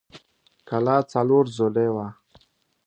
کلا څلور ضلعۍ وه.